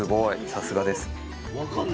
さすがです。